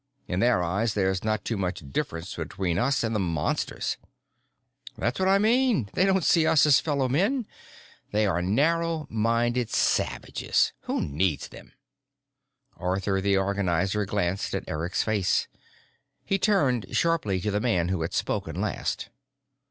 In their eyes, there's not too much difference between us and the Monsters." "That's what I mean. They don't see us as fellow men. They are narrow minded savages. Who needs them?" Arthur the Organizer glanced at Eric's face. He turned sharply to the man who had spoken last.